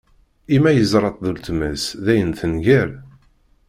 I ma yeẓra-t d uletma-s, dayen tenger?